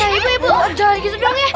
ayo ibu jangan begitu doang ya